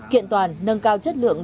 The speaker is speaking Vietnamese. kiện toàn nâng cao chất lượng